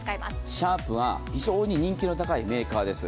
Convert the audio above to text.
シャープは非常に人気の高いメーカーです。